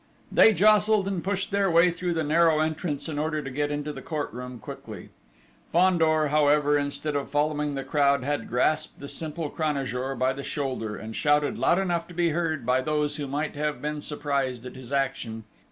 They jostled and pushed their way through the narrow entrance in order to get into the court room quickly. Fandor, however, instead of following the crowd, had grasped the simple Cranajour by the shoulder, and shouted loud enough to be heard by those who might have been surprised at his action.